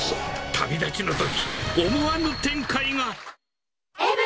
旅立ちのとき、思わぬ展開が。